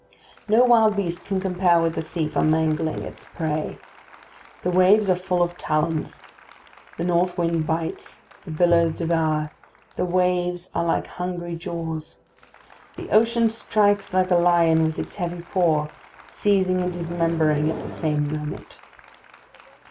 No wild beast can compare with the sea for mangling its prey. The waves are full of talons. The north wind bites, the billows devour, the waves are like hungry jaws. The ocean strikes like a lion with its heavy paw, seizing and dismembering at the same moment.